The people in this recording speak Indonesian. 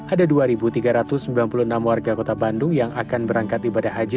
ada dua tiga ratus sembilan puluh enam warga kota bandung yang akan berangkat ibadah haji